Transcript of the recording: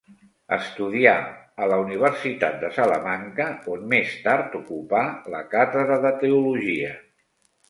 Estudià a la Universitat de Salamanca on més tard ocupà la càtedra de teologia.